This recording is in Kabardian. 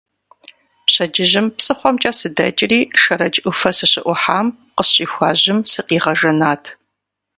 Пщэдджыжьым псыхъуэмкӏэ сыдэкӏри Шэрэдж ӏуфэ сыщыӏухьам къысщӏихуа жьым сыкъигъэжэнат.